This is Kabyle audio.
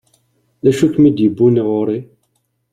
D acu i kem-id-yewwin ɣur-i?